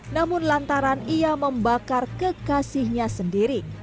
namun lantaran ia membakar kekasihnya sendiri